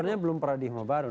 sebenarnya belum paradigma baru